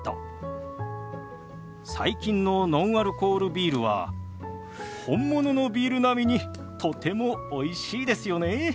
最近のノンアルコールビールは本物のビール並みにとてもおいしいですよね。